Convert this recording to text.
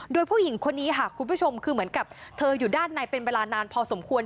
โดยผู้หญิงคนนี้ค่ะคุณผู้ชมคือเหมือนกับเธออยู่ด้านในเป็นเวลานานพอสมควร